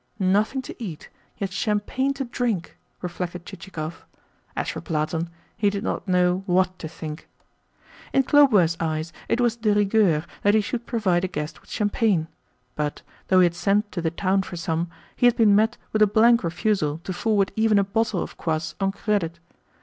"Nothing to eat, yet champagne to drink!" reflected Chichikov. As for Platon, he did not know WHAT to think. In Khlobuev's eyes it was de rigueur that he should provide a guest with champagne; but, though he had sent to the town for some, he had been met with a blank refusal to forward even a bottle of kvass on credit.